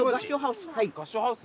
合掌ハウス。